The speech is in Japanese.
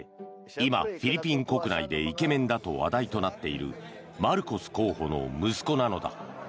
今、フィリピン国内でイケメンだと話題になっているマルコス候補の息子なのだ。